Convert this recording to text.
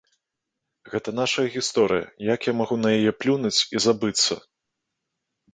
Гэта наша гісторыя, як я магу на яе плюнуць і забыцца.